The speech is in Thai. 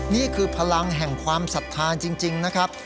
นี่คือพลังแห่งความศรัทธาจริงนะครับ